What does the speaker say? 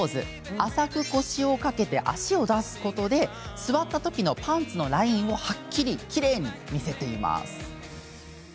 浅く腰をかけ、足を出すことで座ったときのパンツのラインをはっきり、きれいに見せます。